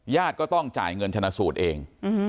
ก็ต้องจ่ายเงินชนะสูตรเอง